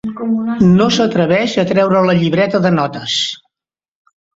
No s'atreveix a treure la llibreta de notes.